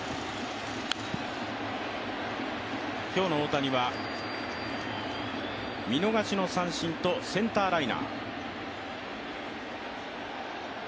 今日の大谷は、見逃しの三振とセンターライナー。